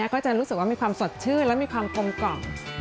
ก็จะรู้สึกว่ามีความสดชื่นและมีความกลมกล่อม